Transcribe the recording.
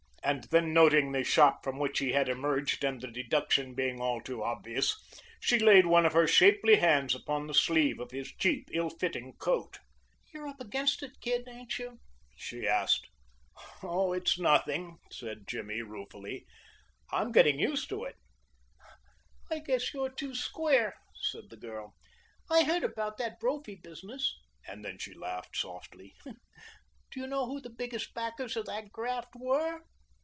And then noting the shop from which he had emerged and the deduction being all too obvious, she laid one of her shapely hands upon the sleeve of his cheap, ill fitting coat. "You're up against it, kid, ain't you?" she asked. "Oh, it's nothing," said Jimmy ruefully. "I'm getting used to it." "I guess you're too square," said the girl. "I heard about that Brophy business." And then she laughed softly. "Do you know who the biggest backers of that graft were?"